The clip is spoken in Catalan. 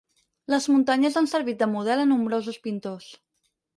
Les muntanyes han servit de model a nombrosos pintors.